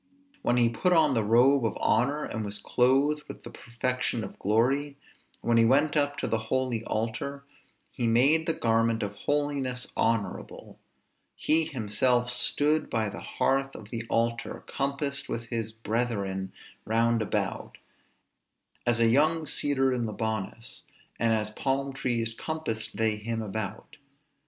When he put on the robe of honor, and was clothed with the perfection of glory, when he went up to the holy altar, he made the garment of holiness honorable. He himself stood by the hearth of the altar, compassed with his brethren round about; as a young cedar in Libanus, and as palm trees compassed they him about.